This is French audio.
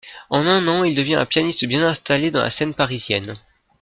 En un an il devient un pianiste bien installé dans la scène parisienne.